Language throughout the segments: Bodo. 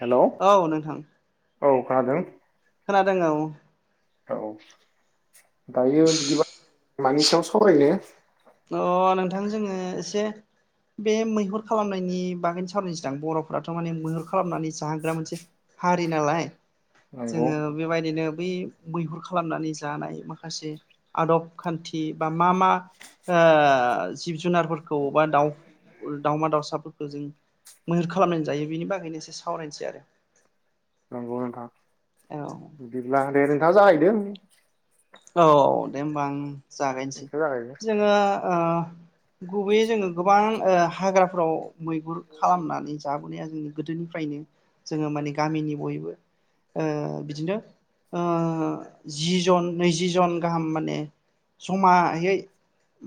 हेलौ औ नोंथां औ खोनादों खोनादों औ औ दायो बिदिबा मानि सायाव सावरायनो? अ नोंथां जोङो एसे बे मैहुर खालामनायनि बागै सावरायनि सैदां बर'फोराथ' माने मैहुर खालामनानै जाहोग्रा मोनसे हारि नालाय। नंगौ जोङो बेबायदिनो बै मैहुर खालामनानै जानाय माखासे आदब खान्थि बा आ जिब जु जुनारफोरखौ बा दाउ दाउमा दाउसाफोरखौ जों मैहुर खालामनानै जायो बेनि बागैनो एसे सावरायनोसै आरो। नंगौ नोंथां औ बिदिब्ला ना जाहैदों औ औ दे होमबा जागायनोसै नोंथाङा जागायदो जोङो ओ गुबैयै जोङो गोबां ओ हाग्राफोराव मैगुर खालामनानै जाबोनाया जोंनि गोदोनिफ्रायनो जोङो माने गामिनि बयबो ओ बिदिनो ओ जि जन नैजि जन गाहाम माने जमायै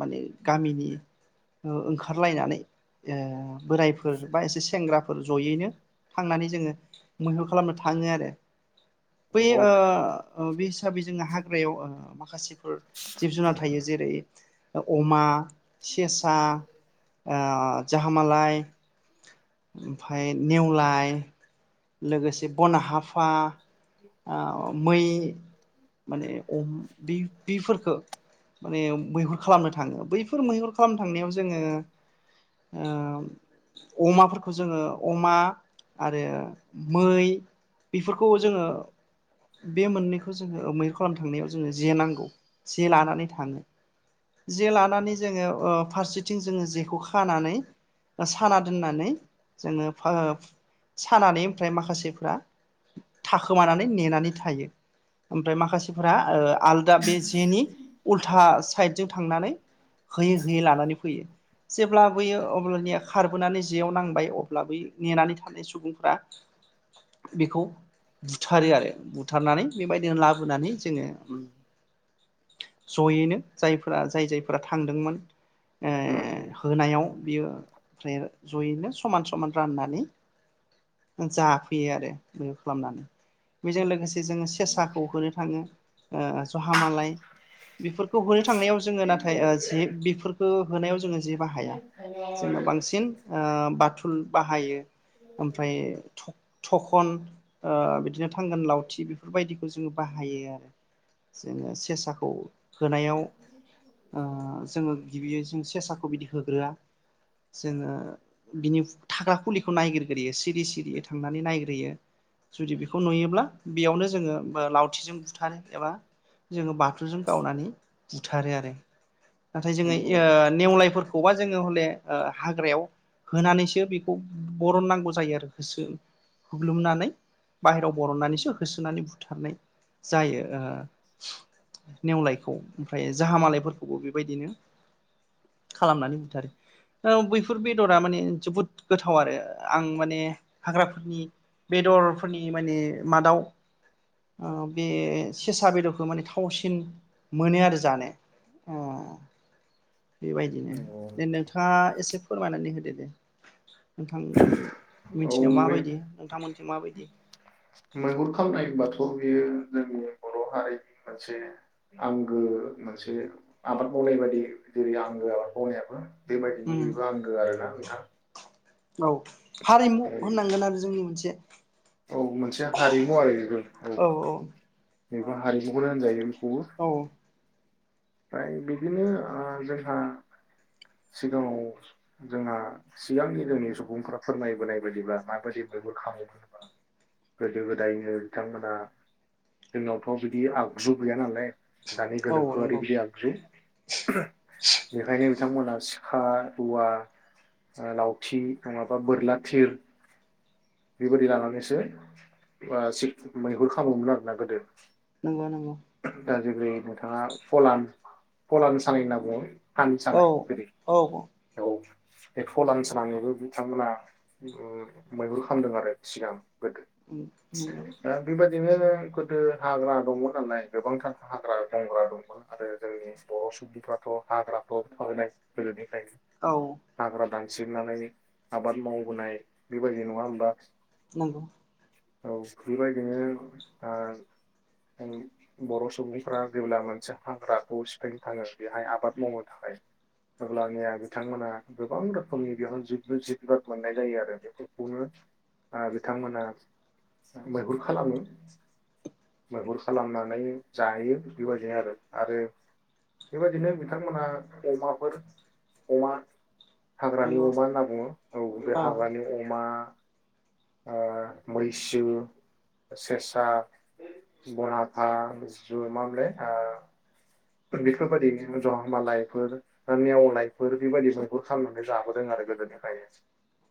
माने गामिनि ओंखारलायनानै ओ बोरायफोर बा एसे सेंग्राफोर जयैनो थांनानै जोङो। मैहुर खालामनो थाङो आरो। बै नंगौ ओ ओ बै हिसाबै जोङो हा ग्रायाव माखासे जिब जुनार थायो। जेरै अमा सेसा, ओ जाहामालाय ओमफ्राय नेवलाय लोगोसे बना हाफा आव मै माने बे बैफोरखो माने मैहुर खालामनो थाङो बैफोर मैहुर खालामनो थांनायाव जोङो अमाफोरखौ जोङो अमा आरो मै बेफोरखौ जोङो बे मोननैखौ जोङो मैहुर खालामनो थांनायाव जोङो जे नांगौ जे लानानै थाङो जे लानानै जोङो ओ फारसेथिं जोङो जेखौ खानानै साना दोननानै जोङो सानानै ओमफ्राय माखासेफ्रा ओ थाखोमानानै नेनानै थायो। फ्राय माखासेफोरा ओ आलदा बे जेनि उल्था साइडजों थांनानै होयै होयै लानानै फैयो। जेब्ला होयो अब्ला खारबोनानै जेयाव नांबाय अब्ला बै नेनानै था नाय सुबुंफ्रा बेखौ बुथारो आरो बुथारनानै बेबायदिनो लाबोनानै जोङो जयैनो जायफोरा जाय जायफोरा थांदोंमोन। ओ नंगौ होनायाव बियो ओमफ्राय ज'यैनो समान समान राननानै। जाफैयो आरो बे खालामनानै। बेजों लोगोसे जोङो सेसाखौ होनो थाङो ओ जहा मालाय बेफोरखौ होनो थांनायाव जोङो नाथाय जे बेफोरखो होनायाव जोङो। जि बाहाया जोङो बांसिन ओ बाथुल बाहायो ओमफ्राय। थखन ओ बिदिनो थांगोन लावथि बेफोरबायदिखौ जोङो बाहायो आरो जोङो सेसाखौ होनायाव जोङो गिबि जों सेसाखौ बिदि होग्रोआ जोङो बिनि थाग्रा खुलिखौ नायगिरग्रोयो सिरि सिरियै थांनानै नायग्रोयो जुदि बेखौ नुयोब्ला बेयावनो जोङो। लावथिजों बुथारो एबा जोङो बाथुलजों गावनानै बुथारो आरो। नाथाय जोङो नंगौ ओ नेवलायफोर बेखौबा जोङो हले ओ हाग्रायाव होनानैसो बेखौ बरननांगौ जायो आरो होसो हुग्लुमनानै बाहेरायाव बर'नानैसो होसोनानै बुथारनाय जायो ओ नेवलायखौ ओमफ्राय जाह मालायफोरखौबो बेबायदिनो खालामनानै बुथारो औ बैफोर बेदरा माने जोबोद गोथाव आरो आं माने हाग्राफोरनि बेदरफोरनि माने मादाव ओ बे सेसा बेदरखौ माने थावसिन मोनो आरो जानो ओ बेबायदिनो नंगौ दे नोंथाङा एसे फोरमायनानै होदो दे नोंथांनि मिथि मैहुर खालामनाय होनबाथ' बेयो जोंनि बर' हारिनि मोनसे आंगो मोनसे आबाद मावनाय बायदि जेरै आंगो आबाद मावनायाबो बेबायदिनि उम बेबो आंगो आरोना नोंथां। औ हारिमु होननांगोन आरो जोंनि मोनसे। औ मोनसे हारिमु आरो बेफोर औ बेखौ हारिमुखौनो होनजायो। हुर औ ओमफ्राय बिदिनो ओ जोंहा सिगाङाव जोंहा सिगांनि जोंना सुबुंफोरा फोरमायबोनाय बायदिब्ला माबादि मैहुर खालामो गोदो गोदायनो बिथांमोना जोंनावथ' बिदि आगजु गैया नालाय। दानि औ गोनोखो नंगौ ओरैबायदि आगजु बेखायनो बिथांमोनहा सिखा, रुवा, लावथि नङाबा बोरला थिर बेबायदि लानानैसो बा मैहुर खालामोमोन आरोना गोदो नंगौ नंगौ दा जेरै नोंथाङा फलान फलान सानाय होनना बुङो। फान औ सानाय बिदि औ औ एक्फ' लानस लानानैबो बिथांमोना मैहुर खालामदों आरो सिगां नंगौ आ बेबा बिदिनो गोदो हाग्रा दङ नालाय गोबांथार हाग्रा बंग्रा दं आरो जोंनि बर' सुबुंफ्राथ' हाग्राफ्राव थाबोनाय गोदोनिफ्रायनो। औ हाग्रा दान सिननानै आबाद मावबोनाय बेबायदि नङा होमबा? नंगौ औ बेबायदिनो आ बर' सुबुंफ्रा जेब्ला मोनसे हाग्राखौ सिफायनो थाङो बेहाय आबाद मावनो थाखाय अब्लानिया बिथांमोना गोबां रोखोमनि बेयाव [unintelligible] जिब जुनाद मोननाय जायो आरो बेफोरखौनो आ बिथांमोना मैहुर खालामो मैहुर खालामनानै जायो बेबायदिनो आरो आरो बेबायदिनो बिथांमोना अमाफोर अमा हाग्रानि नंगौ अमा होनना बुङो औ बे हाग्रानि अमा ओ मैसो सेसा बनहाफा मा मोनलाय ओ बेफोरबायदिनो जाहामालायफोर ओ नेेवलाय फोर बेबायदि मैहुर खालामनानै जाबोदों आरो गोदोनिफ्राय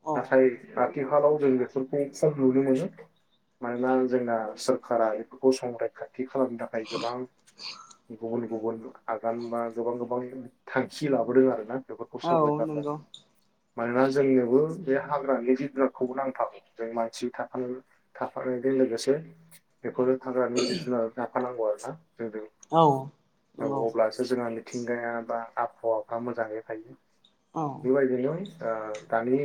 औ नाथाय आथि आथिखालाव जों बेफोरखौ खम नुनो मोनो मानोना जोंना सोरखारा बेफोरखौ संरैखा थि खालामनो थाखाय गोबां गुबुन गुबुन आगान बा गोबां गोबां थांखि लाबोदों आरो ना बेफोरखौ औ नोंगौ सावरायगारदों मानोना जोंनोबो बे हाग्रानि जिब जुनारखौबो नांफागौ जों मानसि थाफानाय थाफानायजों लोगोसे बेफोरनो हाग्रानि जिब जुनारखौ लाफानांगौ आरो हा औ जोंजों नंगौ औ अब्लासो जोंहा थिंगायाबा आबहावाफ्रा मोजाङै हायो औ बिबायदिनो ओ दानि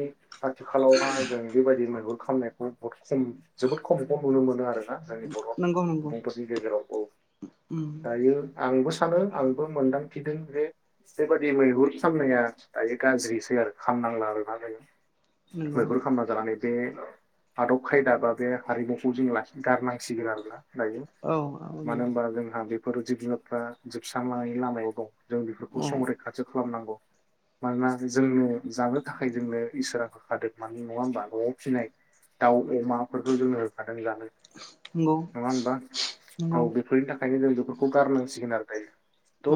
आथिखालावहा जों बेबायदि मैगं [unintelligible] खम जोबोद खम खम नुनो मोनो आरो जोंनि बर' नंगौ नंगौ सुबुंफोरनि गेजेराव औ उम दायो आंबो सानो आंबो मोनदांथिदों बे बेबादि मैहुर खामनाया दायो गाज्रिसै आरो खामनांला आरो [unintelligible] नंगौ मैगुर खामना जानानै बे आदब खायदा बा बे हारिमुखौ जों लासैनो गारनांसिगोन आरोना लायो औ औ मानो नंगौ होनबा जोंहा बे फोर जिब जुनारफ्रा जोबस्रां लांनायनि लामायाव दं जों बेफोरखौ औ संरैखाथि खालामनांगौ मानोना जोंनो जानो थाखाय जोंनो इसोरा होखादों मानो नङा होमबा न'आव फिसिनाय दाउ अमाफोरखौ जोंनो होखादों जोंजानो नंगौ नङा होनबा नंगौ औ बेफोरनि थाखाय बेंखायनो जों बेफोरखौ गारनांसिगोन आरो दायो त औ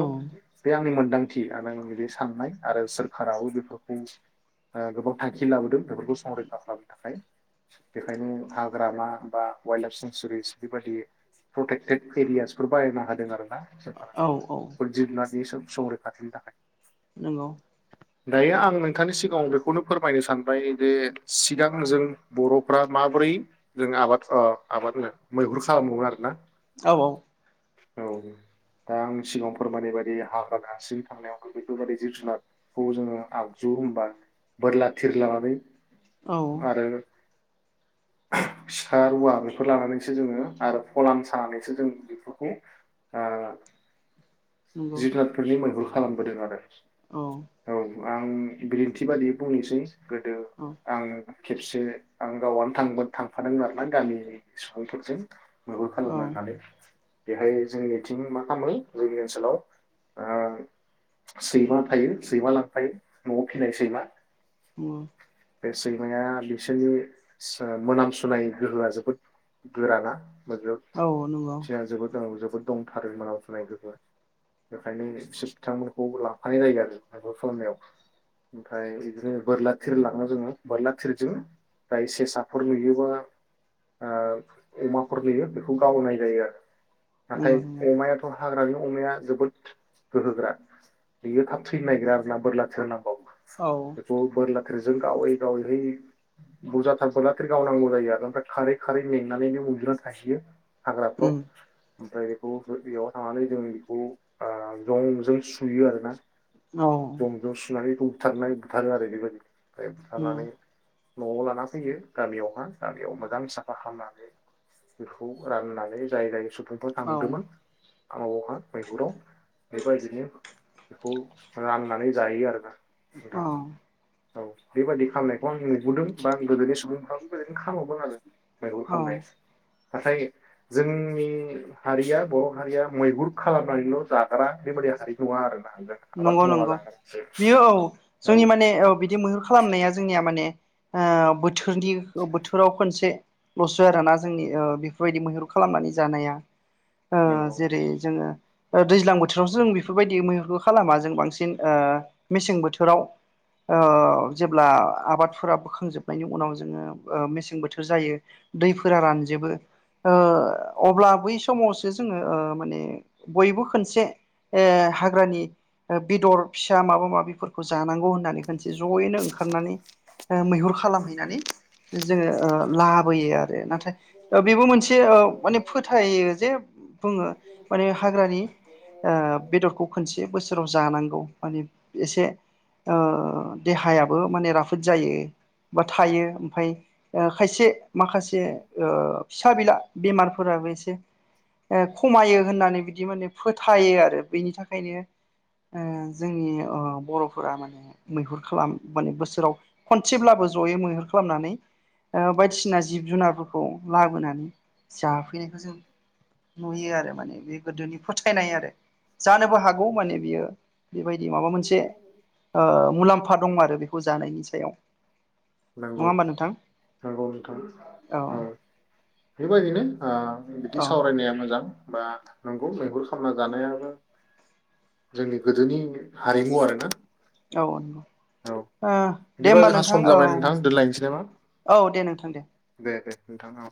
बे आंनि मोन आदांथि [unintelligible] साननाय आरो सोरखाराबो बेफोरखौ ओ गोबां थांखि लाबोदों बेफोरखौ संरैखा खालामनो थाखाय बेखायनो हाग्रामा बा वाइल्ड लाइफ सेेंसुरिस बेबायदि प्रटेक्टेड एरियासफोर बाहायना होदों आरो ना सरखारा औ औ बि स सं रैखाथिनि थाखाय नंगौ दायो आं नोंथांनि सिगाङाव बेखौनो फोरमायनो सानबाय जे सिगां जों बर'फ्रा माबोरै जों आबाद ओ आबाद नो मैहुर खालामोमोन आरोना औ औ औ दा आं सिगाङाव फोरमायनाय बायदि हाग्रा दानस्रिंनो थांनायाव बेफोरबाददि जिब जुनारखौ जोङो आगजु होनबा बोरला थिर लानानै औ आरो सिखा रुवा बेफोर लानानैसो जोङो आरो फलान सानानैसो जों बेफोरखौ ओ नंगौ जिब जुनार फोरनि मैहुर बोदों आरो औ औ आं बिदिन्थि बादियै बुंनोसै गोदो आङो खेबसे आं गावआनो थां थांफादोंमोन आरोना गामि सुबुंफोरजों मैहुर औ खालामनो होननानै बेहाय जोंनिथिं मा खालामो जोंनि ओनसोलाव ओ सैमा थायो सैमा लांफायो न'आव फिनाय सैमा उम बे सैमाया बिसोरनि सो मोनामसुनाय गोहोआ जोबोद गोराना मा औ नंगौ सियान जोबोद [unintelligible] दंथारो मोन जुनाय गोहोआ बेखायनो बिसोर [unintelligible] खौ लांफानाय जायो आरो मा मैहुर खालामनायाव ओमफ्राय बिदिनो बोरला थिर लांङो जोङो बोरला थिरजों जाय सेसाफोर नुयोबा अमाफोर नुयो बेखौ गावनाय जायो आरो। नंगौ नाथाय अमायाथ' हाग्रानि अमाया जोबोद गोहो गोरा। बियो थाब थैनो नागिरा आरो ना बोरला थिर नांबाबो। औ बेखौ बोरला थिरजों गावै गावै हैयै बुरजाथार बोरलाथिर गावनांगौ जायो आरो ओमफ्राय खारै खारै मेंनानै बे उन्दुना थाहैयो। हाग्राफोराव उम ओमफ्राय बेखौ बेयाव थांनानै जों बेखौ ओ जंजों थुयो आरो ना औ सुनानै [unintelligible] थारनाय बुथारो आरो बेबायदि। ओमफ्राय नंगौ बुथारनानै न'आव लाना फैयो गामियावहा गामियाव मोजां साफा खालामनानै बेखौ राननानै जाय [unintelligible] [unintelligible] थामि औ दमोन आआव आहा मैगुराव बेबायदिनो बेखौ राननानै जायो आरो ना औ औ बेबायदि खालामनायखौ आं नुबोदों बा आं गोदोनि सुबुंफ्राबो गोदोनो खामावदों आरो मैहुर औ खामनाय औ इक्स नाथाय जोंनि हारिया बर' हारिया मैहुर खालामनानैल' जाग्रा बेबायदि हारि। नङा आरो नंगौ नंगौ बियो औ जोंनि माने औ बिदि मैहुर खालामनाया जोंनिया माने ओ बो थोरनि ओ बोथोराव खनसे लसो आरोना जोंनि ओ बेफोरबायदि मैहुर खालामनानै जानाया। ओ नंगौ जेरै जोङो ओ दैज्लां बोथोरावसो जों बेफोरबायदि मैहुर खालामा जों बांसिन ओ मेसें बोथोराव ओ जेब्ला आबादफोरा बोखांजोबनायनि उनाव जोङो ओ मेसें बोथोर जायो दैफोरा रानजोबो ओ अब्ला बै समावसो जोङो माने ओ बयबो खनसे ए हाग्रानि ओ बेदर फिसा माबा माबिफोरखौ जानांगौ होननानै खनसे जयैनो ओंखारनानै ओ मैहुर खालामहैनानै जोङो ओ लाबोयो आरो नाथाय ओ बेबो मोनसे ओ माने फोथायो जे बुङो माने हाग्रानि ओ बेदरखौ खनसे जे बोसोराव जानांगौ माने एसे ओ देहायाबो माने राफोद जायो बा थायो ओमफाय ओ खायसे माखासे ओ फिसा बिला बेमार फोराबो एसे ओ खमायो होननानै बिदि माने फोथायो आरो बिनि थाखायनो ओ जोंनि अ बर'फोरा माने मैहुर खालाम माने बोसोराव खनसेब्लाबो जयै मैहुर खालामनानै ओ बायदिसिना जिब-जुनारफोरखौ लाबोनानै जाफैनाय। जों नुयो आरो माने बे गोदोनि फोथायनाय आरो जानोबो हा गौ माने बियो बेबायदि माबा मोनसे ओ मुलाम फा दंमारो बेखौ जानायनि सायाव नोंगौ नङा होमबा नोंथां नोंगौ नोंथां औ बेबायदि नो ओ बिदि औ सावरायनाया मोजां बा नंगौ मैहुर खालामना जानायाबो जोंनि गोदोनि हारिमु आरोना। औ नोंगौ औ ओ दे बिदिबा होमबा जोंहा नोंथां सम औ जाबाय नोंथां दोनलायनोसै नामा औ दे नोंथां दे नोंथाङा